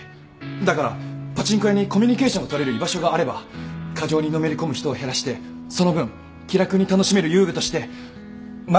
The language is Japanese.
だからパチンコ屋にコミュニケーションをとれる居場所があれば過剰にのめり込む人を減らしてその分気楽に楽しめる遊技として間口が広がるんじゃないかと